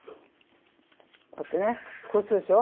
こうやってねこうするでしょ。